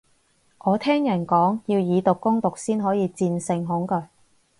我聽人講，要以毒攻毒先可以戰勝恐懼